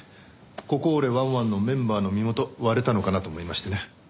ここ掘れワンワンのメンバーの身元割れたのかな？と思いましてね。